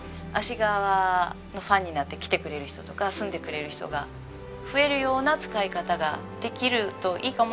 芦川のファンになって来てくれる人とか住んでくれる人が増えるような使い方ができるといいかもね。